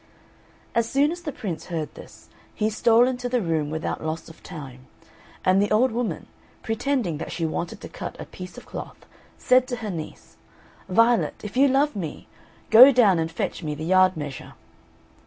As soon as the Prince heard this, he stole into the room without loss of time; and the old woman, pretending that she wanted to cut a piece of cloth, said to her niece, "Violet, if you love me, go down and fetch me the yard measure."